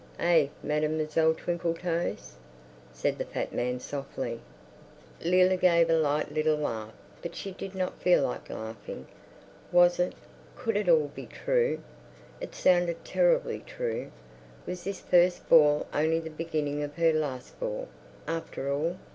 Eh, Mademoiselle Twinkletoes?" said the fat man softly. Leila gave a light little laugh, but she did not feel like laughing. Was it—could it all be true? It sounded terribly true. Was this first ball only the beginning of her last ball, after all?